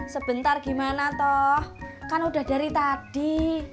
sebentar gimana toh kan udah dari tadi